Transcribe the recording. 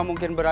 yang ini esalam